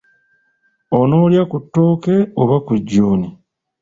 Onoolya ku ttooke oba ku jjuuni?